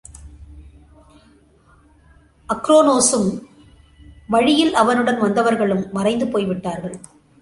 அக்ரோனோகம், வழியில் அவனுடன் வந்தவர்களும் மறைந்து போய்விட்டார்கள்.